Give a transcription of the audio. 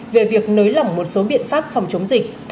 về việc nới lỏng một số biện pháp phòng chống dịch